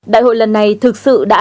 đại hội lần này thực sự đáng kể